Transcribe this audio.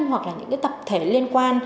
hoặc là những cái tập thể liên quan